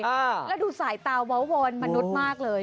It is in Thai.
อ้าแล้วดูสายตาวเบามนุษย์มากเลย